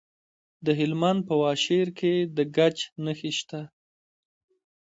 د هلمند په واشیر کې د ګچ نښې شته.